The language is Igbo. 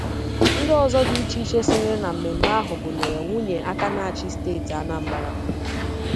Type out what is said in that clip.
Ndị ọzọ dị iche iche sonyere na mmemme ahụ gụnyere nwunye aka na-achị steeti Anambra